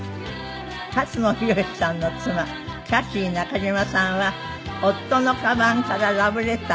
勝野洋さんの妻キャシー中島さんは夫のかばんからラブレター。